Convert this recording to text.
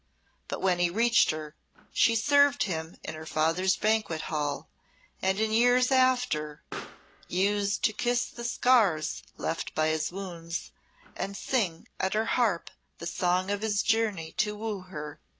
But when he reached her she served him in her father's banquet hall, and in years after used to kiss the scars left by his wounds, and sing at her harp the song of his journey to woo her.